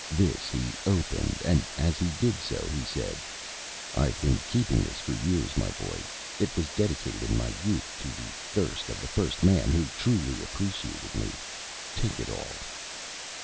This he opened, and as he did so he said, "I've been keeping this for years, my boy. It was dedicated in my youth to the thirst of the first man who truly appreciated me. Take it all."